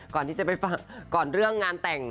ก่อนที่จะไปฟังก่อนเรื่องงานแต่ง